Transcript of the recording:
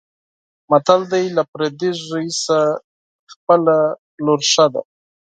متل دی: له پردي زوی نه خپله لور ښه ده.